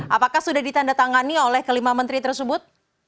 apakah sudah ditandatangani oleh kelima menteri tersebut